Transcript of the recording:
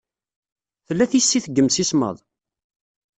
Tella tissit deg yemsismeḍ?